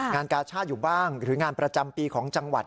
กาชาติอยู่บ้างหรืองานประจำปีของจังหวัด